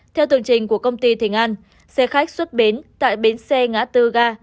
theo tường trình của công ty thịnh an xe khách xuất bến tại bến xe ngã tư ga